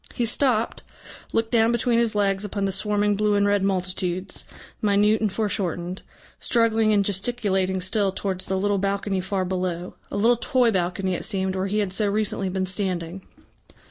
He stopped, looked down between his legs upon the swarming blue and red multitudes, minute and foreshortened, struggling and gesticulating still towards the little balcony far below, a little toy balcony, it seemed, where he had so recently been standing.